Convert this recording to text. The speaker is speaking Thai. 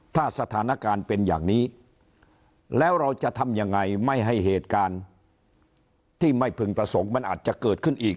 ถ้าสถานการณ์เป็นอย่างนี้แล้วเราจะทำยังไงไม่ให้เหตุการณ์ที่ไม่พึงประสงค์มันอาจจะเกิดขึ้นอีก